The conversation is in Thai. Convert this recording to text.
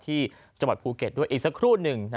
ที่จับแบบภูเก็ตด้วยและอีกสักครู่หนึ่ง